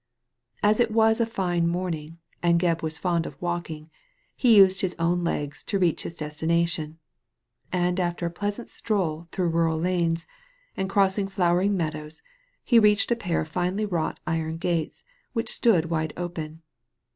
As it was a fine morning, and Gebb was fond of walking, he used his own legs to reach his destina tion; and after a pleasant stroll through rural lanes, and across flowering meadows, he reached a pair of finely wrought iron gates which stood wide open.